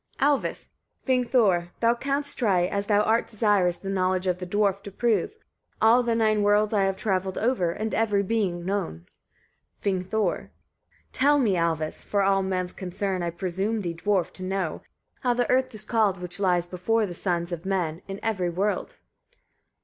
Alvis. 9. Vingthor! thou canst try, as thou art desirous the knowledge of the dwarf to prove. All the nine worlds I have travelled over, and every being known. Vingthor. 10. Tell me, Alvis! for all men's concerns I presume thee, dwarf, to know how the earth is called, which lies before the sons of men, in every world.